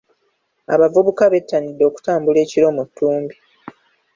Abavubuka bettanidde okutambula ekiro mu ttumbi.